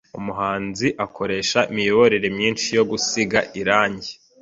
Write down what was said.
Umuhanzi akoresha imiyoboro myinshi yo gusiga irangi.